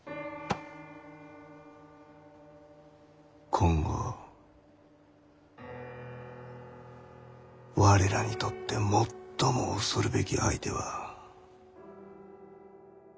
今後我らにとって最も恐るべき相手は。